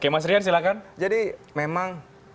mas rian silahkan